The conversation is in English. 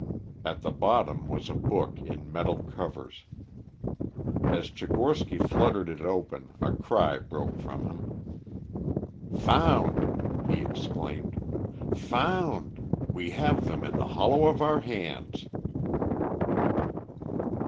At the bottom was a book in metal covers. As Tchigorsky fluttered it open a cry broke from him. "Found!" he exclaimed, "found! We have them in the hollow of our hands."